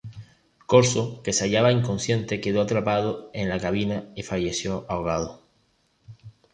Corzo, que se hallaba inconsciente, quedó atrapado en la cabina y falleció ahogado.